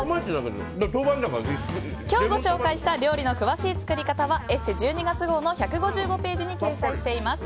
今日ご紹介した料理の詳しい作り方は「ＥＳＳＥ」１２月号の１５５ページに掲載しています。